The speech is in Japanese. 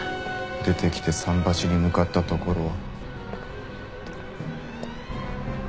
出てきて桟橋に向かったところを。